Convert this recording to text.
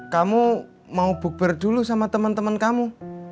kamu mau bukber dulu sama temen temen kamu